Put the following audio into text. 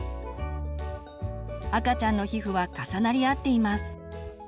赤ちゃんの皮膚は重なり合っています。